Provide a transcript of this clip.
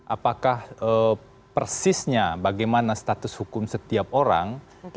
apakah persisnya bagaimana status hukum setiap orang